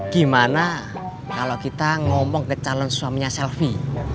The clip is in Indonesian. gimana kalau kita ngomong ke calon suaminya selvi